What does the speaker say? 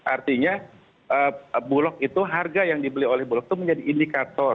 artinya bulog itu harga yang dibeli oleh bulog itu menjadi indikator